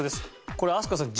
これ飛鳥さん